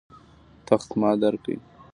تخت ما درکړ.